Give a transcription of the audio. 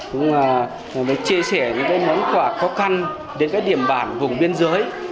cũng chia sẻ những món quà khó khăn đến các điểm bản vùng biên giới